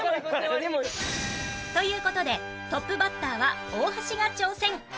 という事でトップバッターは大橋が挑戦